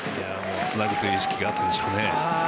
つなぐという意識があったんでしょうね。